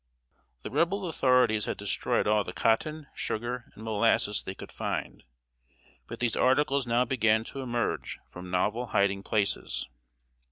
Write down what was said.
The Rebel authorities had destroyed all the cotton, sugar, and molasses they could find; but these articles now began to emerge from novel hiding places.